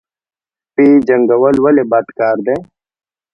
سپي جنګول ولې بد کار دی؟